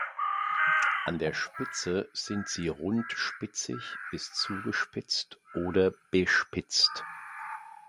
An der Spitze sind sie rundspitzig bis zugespitzt oder bespitzt.